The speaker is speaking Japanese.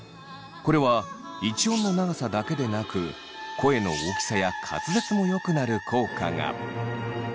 これは一音の長さだけでなく声の大きさや滑舌もよくなる効果が。